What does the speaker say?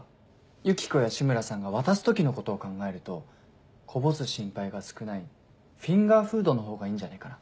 ユキコや紫村さんが渡す時のことを考えるとこぼす心配が少ないフィンガーフードのほうがいいんじゃないかな。